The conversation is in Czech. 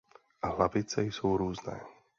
Hlavice jsou různé.